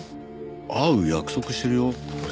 会う約束してるよこれ。